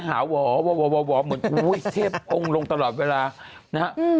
หาวอเหมือนเทพองค์ลงตลอดเวลานะครับ